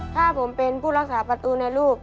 ถ้าผมเป็นผู้รักษาประตูในลูก